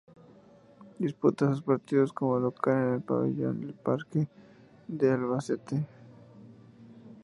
Disputa sus partidos como local en el Pabellón del Parque de Albacete.